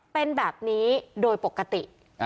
เป็นแบบนี้โดยปกติ